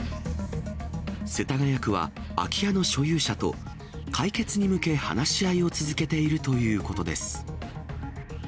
世田谷区は、空き家の所有者と解決に向け、話し合いを続けているということです。